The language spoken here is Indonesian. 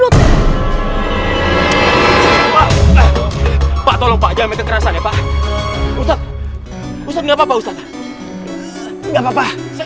pak tolong pak jangan terkerasannya pak ustadz ustadz nggak papa ustadz nggak papa